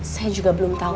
saya juga belum tau